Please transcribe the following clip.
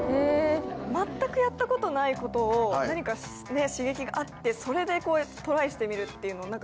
全くやったことないことを何か刺激があってそれでトライしてみるって。